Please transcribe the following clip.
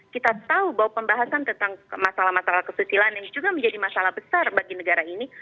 kita tahu bahwa pembahasan tentang masalah masalah kesusilaan ini juga menjadi masalah besar bagi negara ini